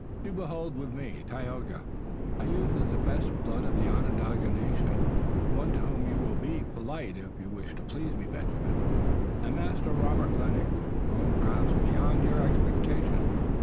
You behold with me, Tayoga, a youth of the best blood of the Onondaga nation, one to whom you will be polite if you wish to please me, Benjamin, and Master Robert Lennox, grown perhaps beyond your expectations."